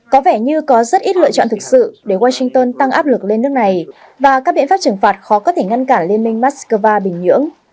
có vẻ như có rất ít lựa chọn thực sự để washington tăng áp lực lên nước này và các biện pháp trừng phạt khó có thể ngăn cản liên minh moscow bình nhưỡng